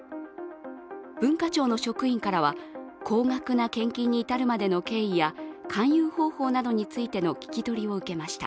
文化庁の職員からは高額な献金に至るまでの経緯や勧誘方法などについての聞き取りを受けました